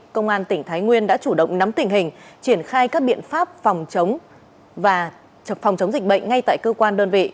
công an tỉnh thái nguyên đã chủ động nắm tình hình triển khai các biện pháp phòng chống dịch bệnh ngay tại cơ quan đơn vị